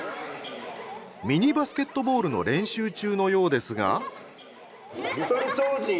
ミニバスケットボールの練習中のようですが。